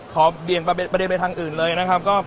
เบี่ยงประเด็นไปทางอื่นเลยนะครับ